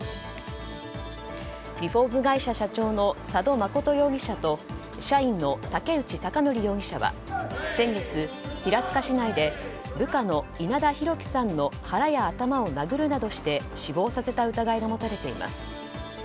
リフォーム会社社長の佐渡誠容疑者と社員の武内孝宜容疑者は先月平塚市内で部下の稲田裕樹さんの腹や頭を殴るなどして死亡させた疑いが持たれています。